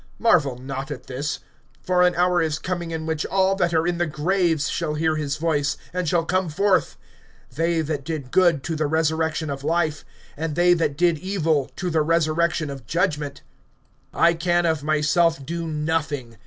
(28)Marvel not at this; for an hour is coming, in which all that are in the graves shall hear his voice, (29)and shall come forth; they that did good, to the resurrection of life, and they that did evil, to the resurrection of judgment. (30)I can of myself do nothing.